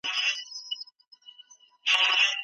د دلارام په ولسوالۍ کي د کبانو د روزنې فارمونه جوړ سوي دي.